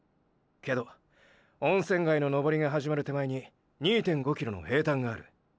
けど温泉街の登りがはじまる手前に２．５ｋｍの平坦がある。